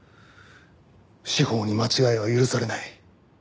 司法に間違いは許されない。